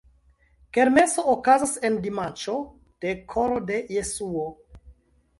Kermeso okazas en dimanĉo de Koro de Jesuo.